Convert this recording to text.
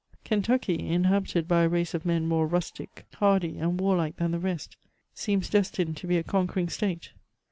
Kentucky, inhabited by a race of men more rustic, hardy, and warlike than the rest, seems destined to be a conquering State.